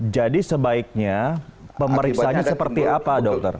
jadi sebaiknya pemeriksaannya seperti apa dokter